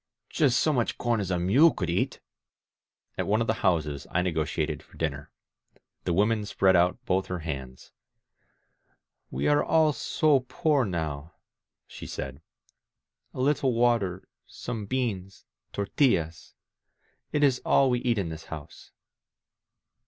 •.• Just so much com as a mule could eat ...!" At one of the houses I negotiated for dinner. The woman spread out both her hands. "We are all so poor now," she said. A little water, some beans — tortillas. ... It is all we eat in this house.